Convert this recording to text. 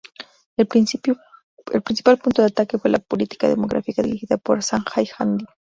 El principal punto de ataque fue la política demográfica dirigida por Sanjay Gandhi.